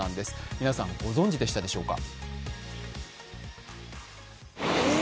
皆さん、ご存じでしたでしょうか。